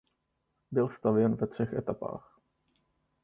Byl stavěn ve třech etapách.